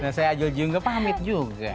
nah saya aja juga pamit juga